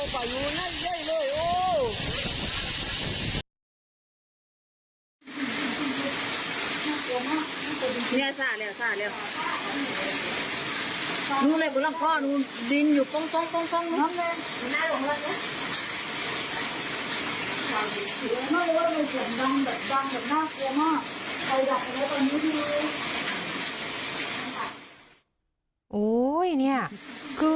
มีประชาชนในพื้นที่เขาถ่ายคลิปเอาไว้ได้ค่ะ